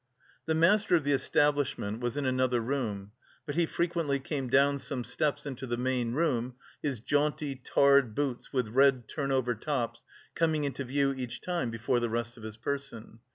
The master of the establishment was in another room, but he frequently came down some steps into the main room, his jaunty, tarred boots with red turn over tops coming into view each time before the rest of his person.